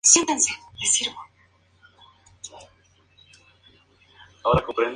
Tanto la actividad sexual masculina como femenina del mismo sexo es legal en Montenegro.